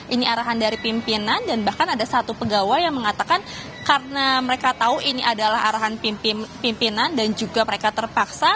ini arahan dari pimpinan dan bahkan ada satu pegawai yang mengatakan karena mereka tahu ini adalah arahan pimpinan dan juga mereka terpaksa